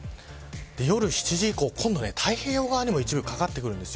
夜７時以降今度、太平洋側にも一部かかってくるんです。